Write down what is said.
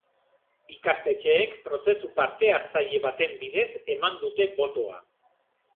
Ikastetxeek prozesu parte-hartzaile baten bidez eman dute botoa.